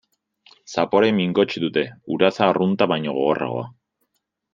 Zapore mingots dute, uraza arrunta baino gogorragoa.